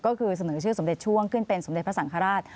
ก็คือเสนอชื่อสมเด็จช่วงขึ้นเป็นสมเด็จพระสังฆราช